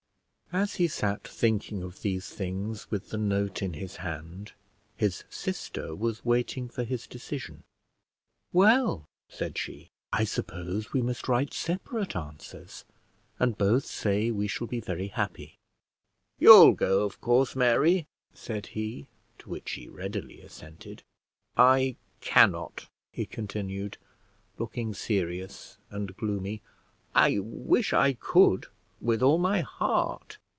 As he sat thinking of these things with the note in his hand, his sister was waiting for his decision. "Well," said she, "I suppose we must write separate answers, and both say we shall be very happy." "You'll go, of course, Mary," said he; to which she readily assented. "I cannot," he continued, looking serious and gloomy. "I wish I could, with all my heart."